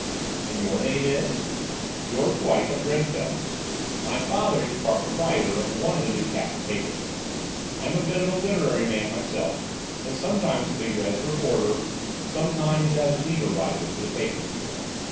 "And your name is—?" "George White, of Grenfell. My father is part proprietor of one of the Newcastle papers. I am a bit of a literary man myself, and sometimes figure as a reporter, sometimes as leader writer, to that paper."